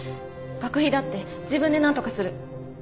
学費だって自分でなんとかする。